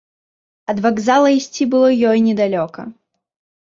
Ад вакзала ісці было ёй недалёка.